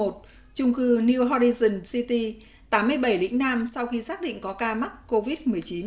trung cư neodition city tám mươi bảy lĩnh nam sau khi xác định có ca mắc covid một mươi chín